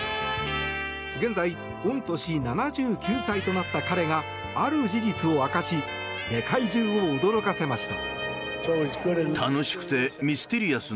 現在、御年７９歳となった彼がある事実を明かし世界中を驚かせました。